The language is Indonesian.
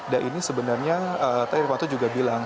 dan ini sebenarnya tadi reinhardt juga bilang